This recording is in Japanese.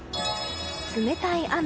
冷たい雨。